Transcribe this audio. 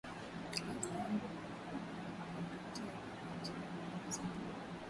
haistahili ukizingatia kwamba nchi mbalimbali zina